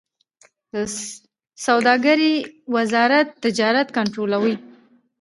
د سوداګرۍ وزارت تجارت کنټرولوي